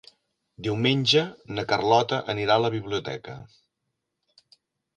Diumenge na Carlota anirà a la biblioteca.